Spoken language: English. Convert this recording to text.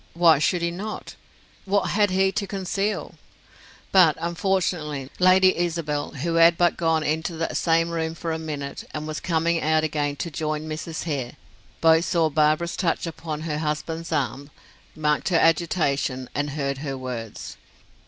Why should he not? What had he to conceal? But, unfortunately, Lady Isabel, who had but gone into that same room for a minute, and was coming out again to join Mrs. Hare, both saw Barbara's touch upon her husband's arm, marked her agitation, and heard her words.